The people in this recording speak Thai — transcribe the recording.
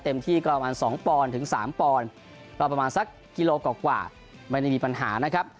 เต็มที่ก็ประมาณสองปอนถึงสามปอนรอประมาณสักกิโลกรับกว่าไม่ได้มีปัญหานะครับ